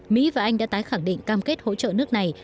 mỹ và anh đã tái khẳng định cam kết hỗ trợ nước này